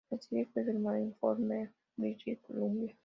La serie fue filmada en Fort Nelson, British Columbia.